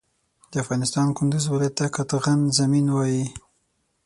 د افغانستان کندوز ولایت ته قطغن زمین وایی